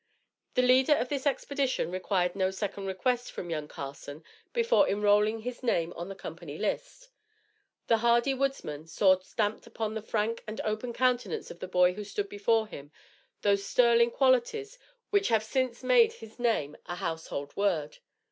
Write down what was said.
The leader of this expedition required no second request from young Carson before enrolling his name on the company list. The hardy woodsman saw stamped upon the frank and open countenance of the boy who stood before him those sterling qualities which have since made his name a household word.